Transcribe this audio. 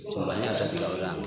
semuanya ada tiga orang